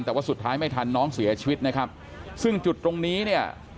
แต่ว่าสุดท้ายไม่ทันน้องเสียชีวิตนะครับซึ่งจุดตรงนี้เนี่ย